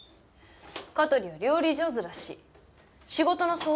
香取は料理上手だし仕事の相談もできるし。